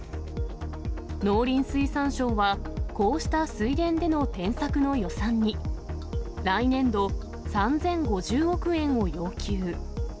農林水産省は、こうした水田での転作の予算に、来年度、３０５０億円を要求。